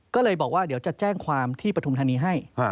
ก็เลยบอกว่าเดี๋ยวจะแจ้งความที่ปฐุมธานีให้